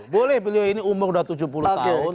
boleh beliau ini umur sudah tujuh puluh tahun